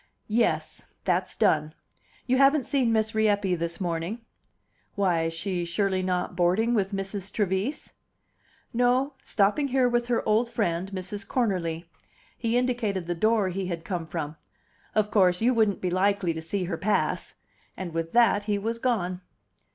"Yes. That's done. You haven't seen Miss Rieppe this morning?" "Why, she's surely not boarding with Mrs. Trevise?" "No; stopping here with her old friend, Mrs. Cornerly." He indicated the door he had come from. "Of course, you wouldn't be likely to see her pass!" And with that he was gone.